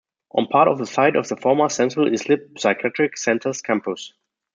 On part of the site of the former Central Islip Psychiatric Center's campus.